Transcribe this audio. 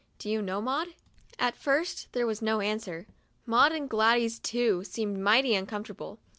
Do you know, Maud?" At first there was no answer. Maud, and Gladys too, seemed mighty uncomfortable.